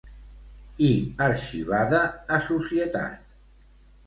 I arxivada a Societat.